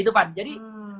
itu van jadi